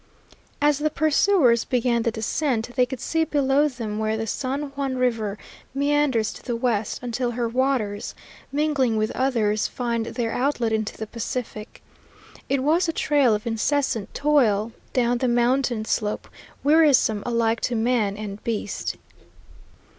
As the pursuers began the descent, they could see below them where the San Juan River meanders to the west until her waters, mingling with others, find their outlet into the Pacific. It was a trial of incessant toil down the mountain slope, wearisome alike to man and beast.